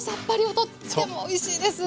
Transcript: とってもおいしいです！